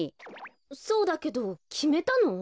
そうだけどきめたの？